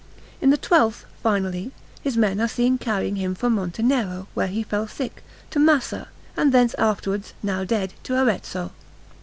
In the twelfth, finally, his men are seen carrying him from Montenero, where he fell sick, to Massa, and thence afterwards, now dead, to Arezzo.